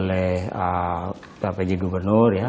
dilaksanakan oleh pak pc gubernur ya